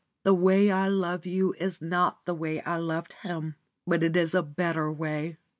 The way I love you is not the way I loved him, but it is a better way.